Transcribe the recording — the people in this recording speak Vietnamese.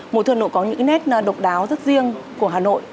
mùa thu hà nội có những nét độc đáo rất riêng của hà nội